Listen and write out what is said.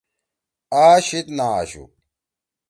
آ شیِد نہ آشُو۔“